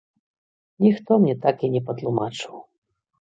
Ніхто мне так і не патлумачыў.